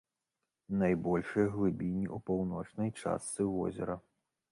Найбольшыя глыбіні ў паўночнай частцы возера.